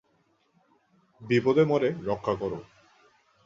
বিপদে মোরে রক্ষা কর।